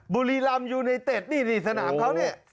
บุรีรำยูไนเต็ดนี่นี่สนามเขาเนี่ย